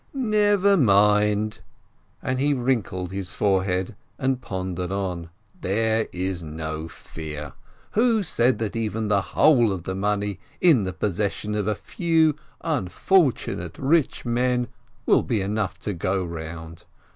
"Never mind !" and he wrinkled his forehead, and pondered on. "There is no fear! Who said that even the whole of the money in the possession of a few unfortunate rich men will be enough to go round?